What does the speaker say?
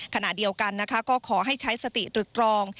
ขณะเดียวกันนะคะก็ขอให้ใช้สติตรึกตรอง